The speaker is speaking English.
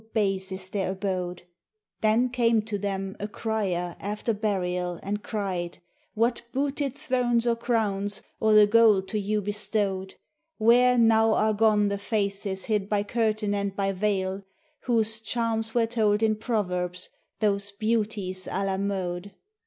base is their abode: Then came to them a Crier after burial and cried, ✿ What booted thrones or crowns or the gold to you bestowed: Where now are gone the faces hid by curtain and by veil, ✿ Whose charms were told in proverbs, those beauties à la mode?